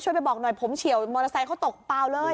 ไปบอกหน่อยผมเฉียวมอเตอร์ไซค์เขาตกเปล่าเลย